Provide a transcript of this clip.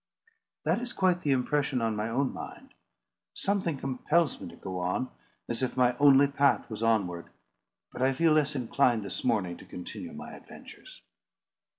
"That is quite the impression on my own mind. Something compels me to go on, as if my only path was onward, but I feel less inclined this morning to continue my adventures."